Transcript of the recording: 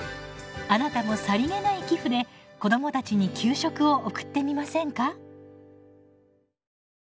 あなたもさりげない寄付で子どもたちに給食を送ってみませんか？